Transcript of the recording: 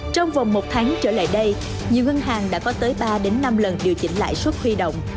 trong vòng một tháng trở lại đây nhiều ngân hàng đã có tới ba năm lần điều chỉnh lãi suất huy động